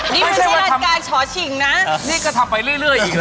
นี่เป็นสินาทิการฉอฉิงนะนี่ก็ทำไปเรื่อยอีกนะ